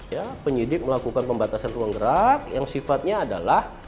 ya penyidik melakukan pembatasan ruang gerak yang sifatnya adalah